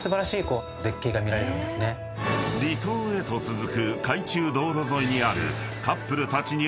［離島へと続く海中道路沿いにある］